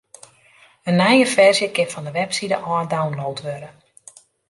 In nije ferzje kin fan de webside ôf download wurde.